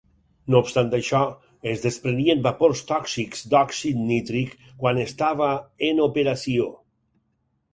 No obstant això, es desprenien vapors tòxics d'òxid nítric quan estava en operació.